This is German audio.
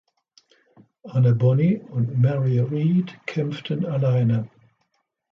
Anne Bonny und Mary Read kämpften alleine.